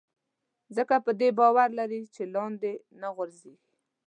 ځکه په دې باور لري چې لاندې نه غورځېږي.